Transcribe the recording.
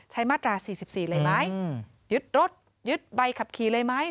มาตรา๔๔เลยไหมยึดรถยึดใบขับขี่เลยไหม